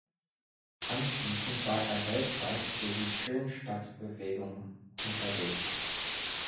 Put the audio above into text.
Anschließend war er weltweit für die Schönstattbewegung unterwegs.